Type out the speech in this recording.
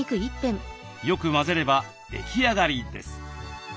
よく混ぜれば出来上がりです。